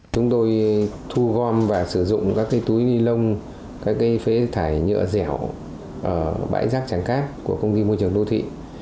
chúng tôi thu gom và sử dụng các cây túi nilon các cây phế thải nhựa dẻo bãi rác trắng cát của công ty môi trường đô thị